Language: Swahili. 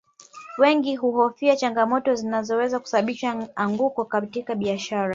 Wengi huhofia changamoto zinazoweza kusababisha anguko katika biashara